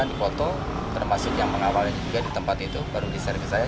kondisi yang dipotong termasuk yang mengawalnya juga di tempat itu baru diserge saya